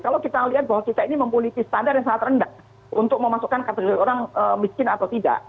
kalau kita lihat bahwa kita ini memiliki standar yang sangat rendah untuk memasukkan kategori orang miskin atau tidak